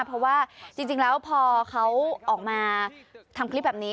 เพราะว่าจริงแล้วพอเขาออกมาทำคลิปแบบนี้